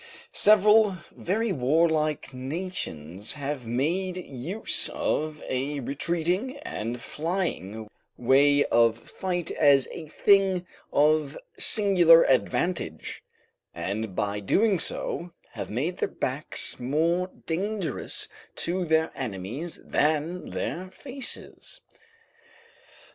Several very warlike nations have made use of a retreating and flying way of fight as a thing of singular advantage, and, by so doing, have made their backs more dangerous to their enemies than their faces.